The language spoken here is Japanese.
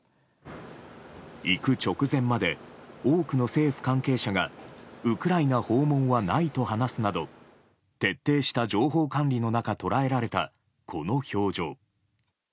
行く直前まで多くの政府関係者がウクライナ訪問はないと話すなど徹底した情報管理の中捉えられたこの表情。